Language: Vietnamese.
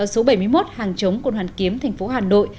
số bảy mươi một hàng chống quận hoàn kiếm tp hà nội